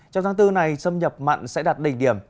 trong tháng bốn này xâm nhập mặn sẽ đạt đỉnh điểm